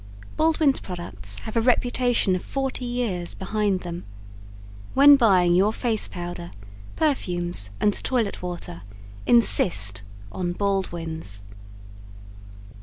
Baldwin's products have a reputation of 40 years behind them. When buying your Face Powder, Perfumes and Toilet Water insist on Baldwin's.